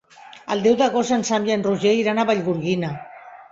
El deu d'agost en Sam i en Roger iran a Vallgorguina.